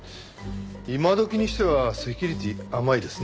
今どきにしてはセキュリティー甘いですね。